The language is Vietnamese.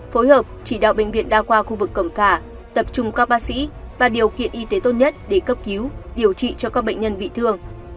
phối hợp chỉ đạo bệnh viện đa khoa khu vực cổng cả tập trung các bác sĩ và điều kiện y tế tốt nhất để cấp cứu điều trị cho các bệnh nhân bị thương